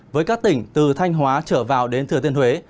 với các tỉnh từ thanh hóa trở vào đến thừa tiên huế